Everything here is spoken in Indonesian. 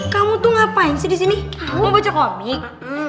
kamu tuh ngapain sih di sini gue baca komik